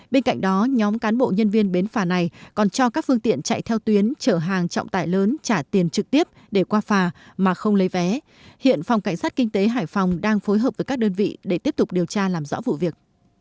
bên cạnh đó nhóm cán bộ nhân viên bến phà này còn cho các phương tiện chạy theo tuyến chở hàng trọng tải lớn trả tiền trực tiếp để qua phà mà không lấy vé hiện phòng cảnh sát kinh tế hải phòng đang phối hợp với các đơn vị để tiếp tục điều tra làm rõ vụ việc